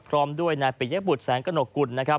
พร้อมด้วยนายปิเยกบุตรแสงกระหนกกุล